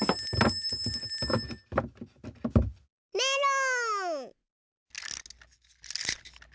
メロン！